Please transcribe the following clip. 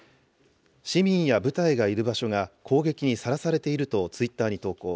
市民や部隊がいる場所が攻撃にさらされているとツイッターに投稿。